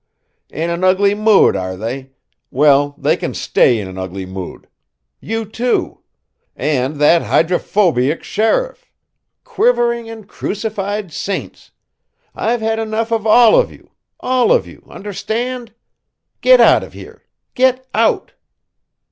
"In an ugly mood, are they? Well, they can stay in an ugly mood. You, too! And that hydrophobiac sheriff! Quivering and crucified saints! I've had enough of all of you all of you, understand! Get out of here! Get out!"